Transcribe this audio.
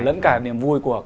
lẫn cả niềm vui của